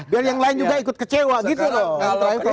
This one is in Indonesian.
biar yang lain juga ikut kecewa gitu loh